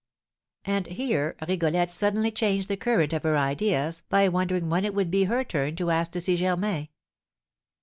And here Rigolette suddenly changed the current of her ideas by wondering when it would be her turn to ask to see Germain.